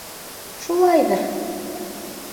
Шулайҙыр!